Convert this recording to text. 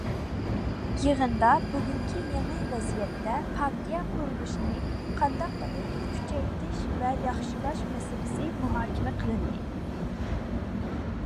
يىغىندا بۈگۈنكى يېڭى ۋەزىيەتتە پارتىيە قۇرۇلۇشىنى قانداق قىلىپ كۈچەيتىش ۋە ياخشىلاش مەسىلىسى مۇھاكىمە قىلىندى.